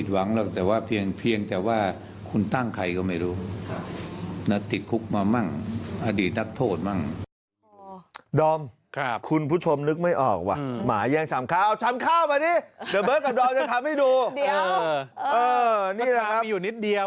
เดี๋ยวเบิร์ตกับดอมจะทำให้ดูเดี๋ยวเออนี่แหละครับมันมีอยู่นิดเดียว